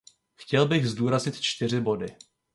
Chtěl bych zdůraznit čtyři body.